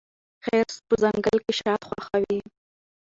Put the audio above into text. خرس په ځنګل کې شات خوښوي.